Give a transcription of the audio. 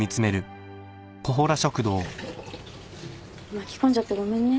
巻き込んじゃってごめんね。